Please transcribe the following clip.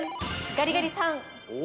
ガリガリさん。